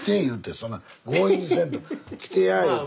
そんな強引にせんと来てや言うて。